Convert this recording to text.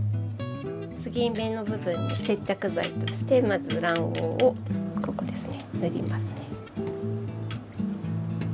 継ぎ目の部分に接着剤としてまず卵黄をここですね塗りますね。